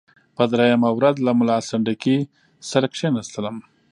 په دریمه ورځ له ملا سنډکي سره کښېنستلم.